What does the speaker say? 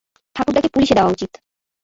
ঠাকুরদাকে পুলিশে দেওয়া উচিত।